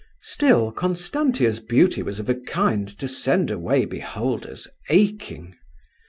Still Constantia's beauty was of a kind to send away beholders aching.